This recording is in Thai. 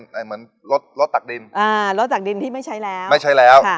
เหมือนรถตักดินรถตักดินที่ไม่ใช้แล้ว